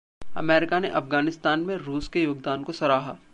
America ने अफगानिस्तान में रूस के योगदान को सराहा